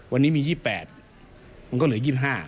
วันนี้มี๒๘มันก็เหลือ๒๕